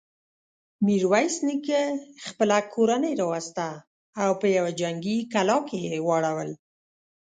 ميرويس نيکه خپله کورنۍ راوسته او په يوه جنګي کلا کې يې واړول.